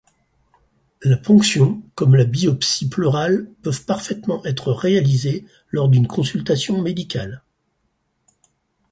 La ponction comme la biopsie pleurale peuvent parfaitement être réalisées lors d’une consultation médicale.